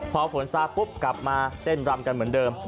พอฝนซาปุ๊บกลับมาเต้นรำกันเหมือนเดิม